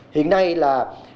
hiện nay là